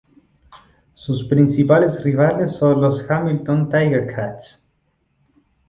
Sus principales rivales son los Hamilton Tiger-Cats.